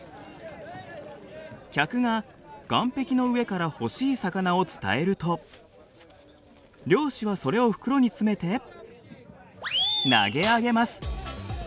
客が岸壁の上から欲しい魚を伝えると漁師はそれを袋に詰めて投げ上げます。